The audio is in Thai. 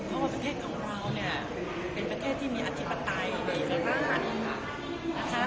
เพราะว่าประเทศของเราเป็นประเทศที่มีอธิบัติดีกว่ามาก